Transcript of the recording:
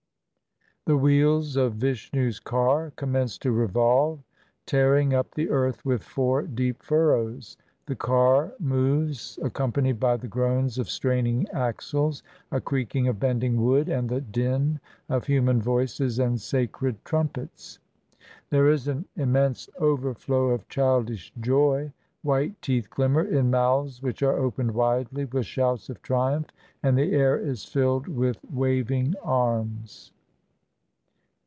"The wheels of Vishnu's car commence to revolve, tearing up the earth with four deep furrows. The car moves, accom panied by the groans of straining axles, a creaking of bending wood, and the din of human voices and sacred trumpets. There is an immense overflow of childish joy; white teeth glimmer in mouths which are opened widely with shouts of triumph, and the air is filled with waving arms."